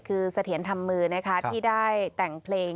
คือสะเทียนธรรมมือที่ได้แต่งเพลง